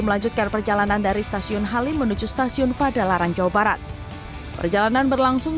melanjutkan perjalanan dari stasiun halim menuju stasiun padalarang jawa barat perjalanan berlangsung